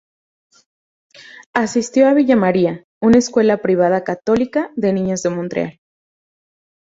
Asistió a Villa María, una escuela privada católica de niñas en Montreal.